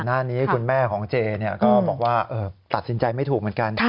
หน้านี้คุณแม่ของเจก็บอกว่าตัดสินใจไม่ถูกเหมือนกัน